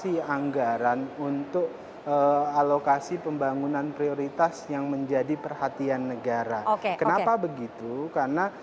penduduk sekolah hal yang sedang dilakukan adalah bisnis dewan negeri placeorpen harga girang yang